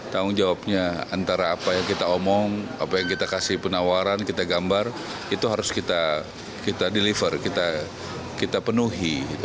tanggung jawabnya antara apa yang kita omong apa yang kita kasih penawaran kita gambar itu harus kita deliver kita penuhi